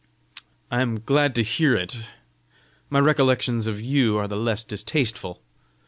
"I am glad to hear it: my recollections of you are the less distasteful!